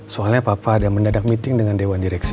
soalnya papa ada mendadak meeting dengan dewan direksi